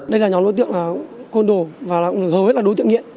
đây là nhóm đối tượng là côn đồ và gối là đối tượng nghiện